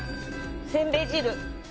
せんべい汁。